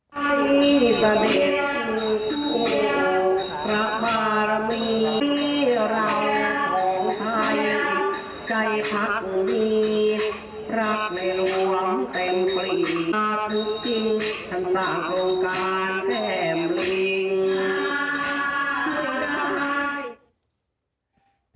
สตรองแก้มภรีทว่าทุกที่ทันสามโอกาสแค่แอบบัลวิง